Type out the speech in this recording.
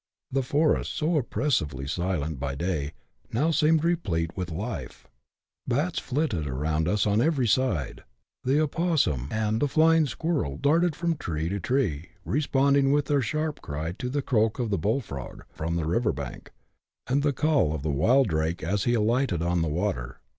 The forest, so oppressively silent jjy day, now seemed replete with life : bats flitted around us on every side ; the opossum and flying squirrel darted from tree to tree, responding with their sharp cry to the" croak of tiie bull frog' from the river bank, and the call of the wild drake as he alighted on the water.